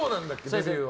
デビューは。